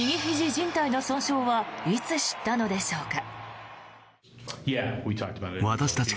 じん帯の損傷はいつ知ったのでしょうか。